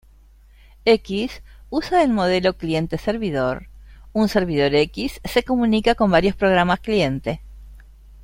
X usa el modelo cliente-servidor: un servidor X se comunica con varios programas cliente.